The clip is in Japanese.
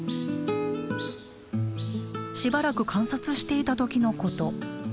しばらく観察していた時のこと。